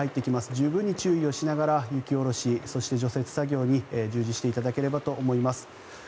十分に注意をしながら雪下ろしそして除雪作業に従事していただければと思います。